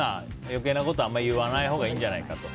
余計なことは言わないほうがいいんじゃないかと。